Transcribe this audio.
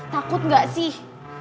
takut gak sih